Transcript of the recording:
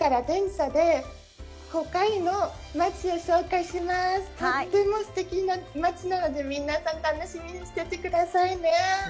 とってもすてきな街なので、皆さん、楽しみにしていてくださいね。